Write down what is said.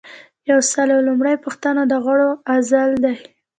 یو سل او لومړۍ پوښتنه د غړو عزل دی.